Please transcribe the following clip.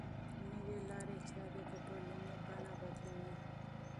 نوې لارې چارې د ټولنې بڼه بدلوي.